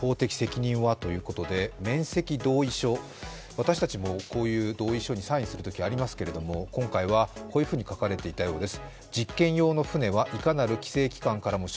私たちもこういう同意書にサインすることもありますけど、今回はこういうふうに書かれていたようです。